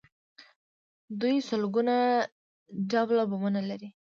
دوی سلګونه ډوله بمونه لري.